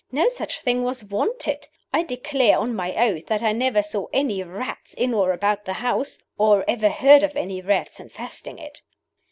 No such thing was wanted. I declare, on my oath, that I never saw any rats in or about the house, or ever heard of any rats infesting it."